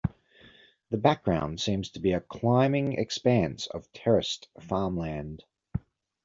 The background seems to be a climbing expanse of terraced farmland.